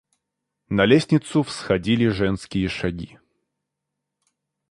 На лестницу всходили женские шаги.